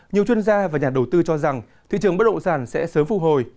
nhiều chuyên gia và nhà đầu tư cho rằng thị trường bất động sản sẽ sớm phục hồi